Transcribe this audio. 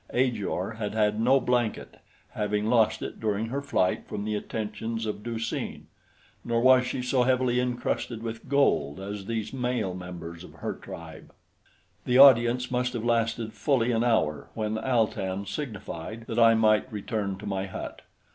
Ajor had had no blanket, having lost it during her flight from the attentions of Du seen; nor was she so heavily incrusted with gold as these male members of her tribe. The audience must have lasted fully an hour when Al tan signified that I might return to my hut.